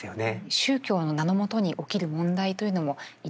宗教の名のもとに起きる問題というのもいろいろありますよね。